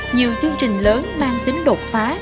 nhiều chương trình lớn mang tính đột phá